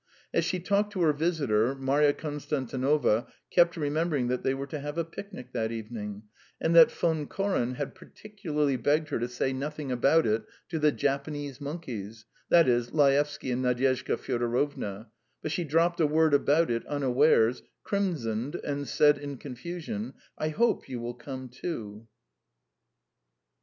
As she talked to her visitor, Marya Konstantinovna kept remembering that they were to have a picnic that evening, and that Von Koren had particularly begged her to say nothing about it to the "Japanese monkeys" that is, Laevsky and Nadyezhda Fyodorovna; but she dropped a word about it unawares, crimsoned, and said in confusion: "I hope you will come too!"